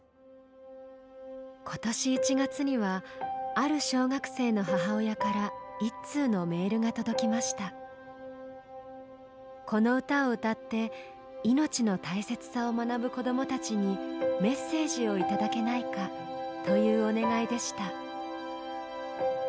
今年１月にはある小学生の母親からこの歌を歌って命の大切さを学ぶ子どもたちにメッセージを頂けないかというお願いでした。